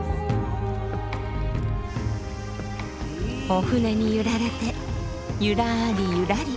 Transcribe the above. お舟に揺られてゆらりゆらり。